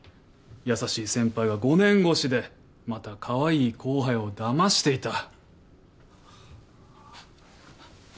優しい先輩は５年越しでまたカワイイ後輩をだましていた。